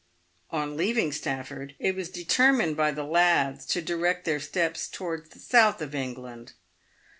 On leaving Stafford, it was determined by the lads to direct their steps towards the south of England.